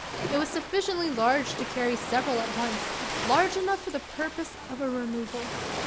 It was sufficiently large to carry several at once large enough for the purpose of a removal.